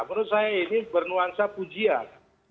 menurut saya ini bernuansa pujian